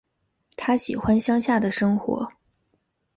她喜欢乡下的生活